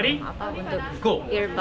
ya untuk earbud